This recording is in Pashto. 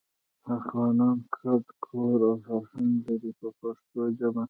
افغانان ګډ کور او فرهنګ لري په پښتو ژبه.